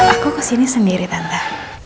aku kesini sendiri tante